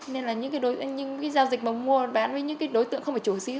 nên là những giao dịch bằng mua bán với những đối tượng không phải chủ sĩ